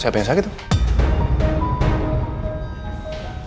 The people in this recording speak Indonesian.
siapa yang sakit tuh